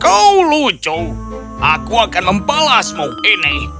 kau lucu aku akan membalasmu ini